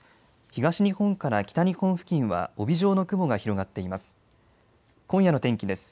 東日本から北日本付近は帯状の雲が広がっています。